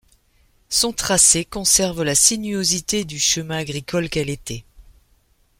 Son tracé conserve la sinuosité du chemin agricole qu'elle était.